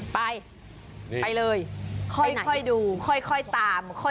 ไปไปเลยค่อยดูค่อยตาม